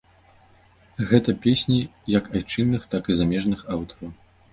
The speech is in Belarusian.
Гэта песні як айчынных, так і замежных аўтараў.